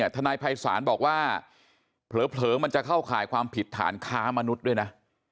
ทนายภัยศาลบอกว่าเผลอมันจะเข้าข่ายความผิดฐานค้ามนุษย์ด้วยนะ